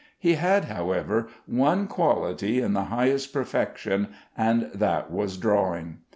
He had, however, one quality in the highest perfection, and that was drawing.